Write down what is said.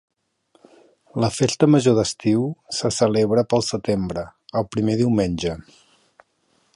La festa major d'estiu se celebra pel setembre, el primer diumenge.